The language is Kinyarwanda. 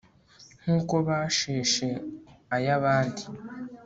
nkuko basheshe ay'abandi